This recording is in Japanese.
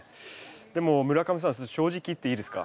でも村上さん正直言っていいですか？